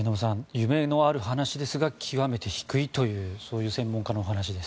夢のある話ですが極めて低いというそういう専門家の話です。